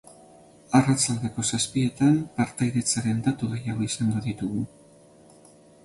Arratsaldeko zazpietan partaidetzaren datu gehiago izango ditugu.